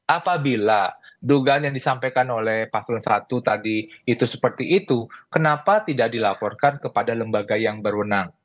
apabila dugaan yang disampaikan oleh paslon satu tadi itu seperti itu kenapa tidak dilaporkan kepada lembaga yang berwenang